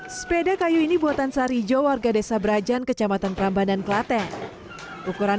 sepeda kayu ini buatan sarijo warga desa brajan kecamatan prambanan klaten ukuran